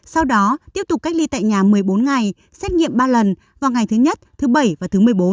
sau đó tiếp tục cách ly tại nhà một mươi bốn ngày xét nghiệm ba lần vào ngày thứ nhất thứ bảy và thứ một mươi bốn